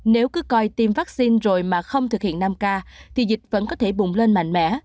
nếu cứ coi tiêm vaccine rồi mà không thực hiện năm k thì dịch vẫn có thể bùng lên mạnh mẽ